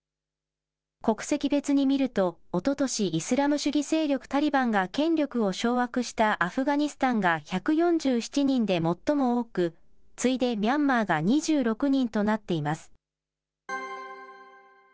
国籍別に見ると、おととし、イスラム主義勢力タリバンが権力を掌握したアフガニスタンが１４７人で最も多く、次いでミャンマーが２６人となっています。